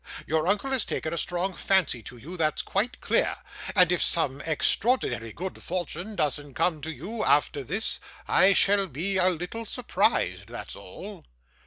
Your uncle has taken a strong fancy to you, that's quite clear; and if some extraordinary good fortune doesn't come to you, after this, I shall be a little surprised, that's all.